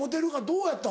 どうやった？